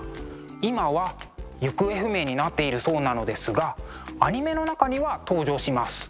今は行方不明になっているそうなのですがアニメの中には登場します。